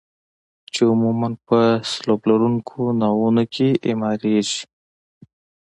چې عموما په سلوب لرونکو ناوونو کې اعماریږي.